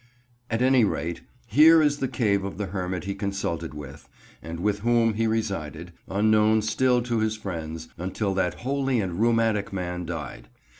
At any rate, here is the cave of the hermit he consulted with, and with whom he resided, unknown still to his friends, until that holy and rheumatic man died.